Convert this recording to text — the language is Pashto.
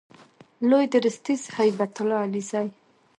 لوی درستیز هیبت الله علیزی